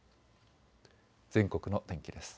全国の天気です。